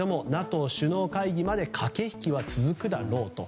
ＮＡＴＯ首脳会議まで駆け引きは続くだろうと。